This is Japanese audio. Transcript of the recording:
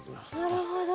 なるほど。